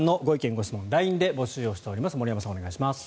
・ご質問をＬＩＮＥで募集しております。